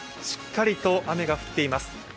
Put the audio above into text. しっかりと雨が降っています。